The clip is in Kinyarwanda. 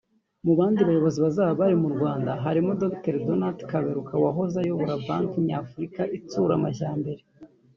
Mu bandi bayobozi bazaba bari mu Rwanda barimo Dr Donald Kaberuka wahoze ayobora Banki Nyafurika Itsura Amajyambere